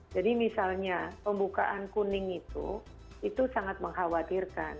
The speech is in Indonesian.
jadi misalnya pembukaan kuning itu itu sangat mengkhawatirkan